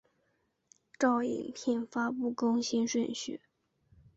照影片发布更新顺序